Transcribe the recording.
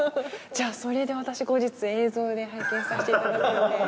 それで私後日映像で拝見させていただくんで。